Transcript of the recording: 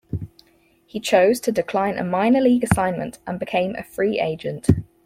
He chose to decline a minor league assignment and became a free agent.